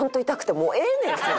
もうええねんそれ。